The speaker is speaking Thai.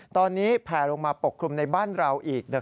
ตอนนี้แผลลงมาปกคลุมในบ้านเราอีก